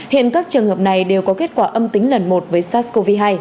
hiện các trường hợp này đều có kết quả âm tính lần một với sars cov hai